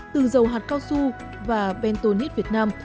từ dầu hạt cao su và bentonite việt nam